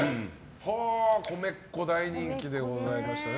コメッコ大人気でございましたね。